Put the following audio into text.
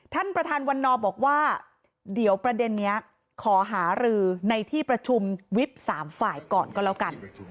ท่านประธานวันนอบอกว่าเดี๋ยวประเด็นนี้ขอหารือในที่ประชุมวิบสามฝ่ายก่อนก็แล้วกัน